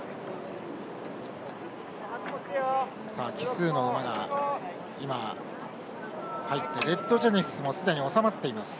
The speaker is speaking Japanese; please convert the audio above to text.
奇数の馬が入ってレッドジェネシスもすでに収まっています。